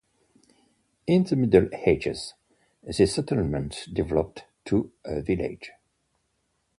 In the Middle Ages, this settlement developed to a village.